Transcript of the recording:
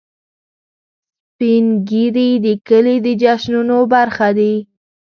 سپین ږیری د کلي د جشنونو برخه دي